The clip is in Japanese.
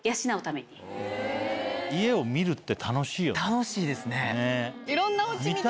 楽しいですね。